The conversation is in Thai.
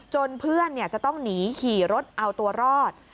เพื่อนจะต้องหนีขี่รถเอาตัวรอด